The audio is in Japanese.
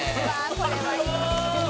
「これはいい！」